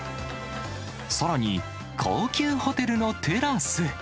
さらに、高級ホテルのテラス。